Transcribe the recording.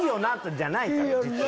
じゃないから実は。